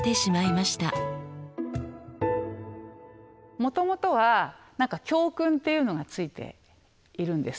もともとは教訓っていうのがついているんです。